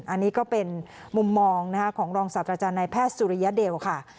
อันนี้ก็เป็นมุมมองของรองศาสตราจารย์นายแพทย์สุริยเดลค่ะ